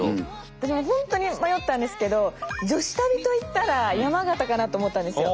私も本当に迷ったんですけど女子旅といったら山形かなと思ったんですよ。